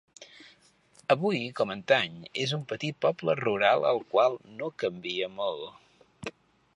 Avui com antany és un petit poble rural al qual no canvia molt.